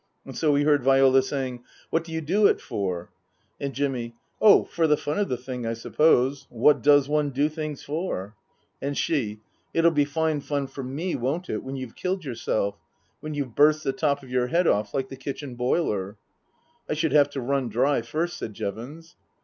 And so we heard Viola saying, " What do you do it for ?" And Jimmy, " Oh, for the fun of the thing, I suppose. What does one do things for ?" And she, " It'll be fine fun for me, won't it, when you've killed yourself ? When you've burst the top of your head off like the kitchen boiler ?"" I should have to run dry first," said Jevons.